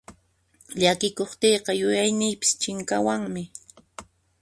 Llakikuqtiyqa yuyayniypis chinkawanmi.